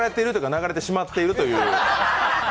流れてしまっているという。